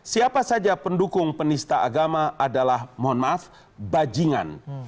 siapa saja pendukung penista agama adalah mohon maaf bajingan